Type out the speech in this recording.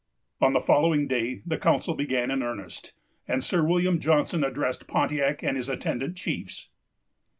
On the following day, the council began in earnest, and Sir William Johnson addressed Pontiac and his attendant chiefs.